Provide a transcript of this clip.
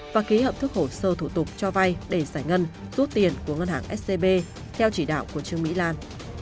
và ký hợp thức hồ sơ thủ tục cho vay để giải ngân rút tiền của ngân hàng scb theo chỉ đạo của trương mỹ lan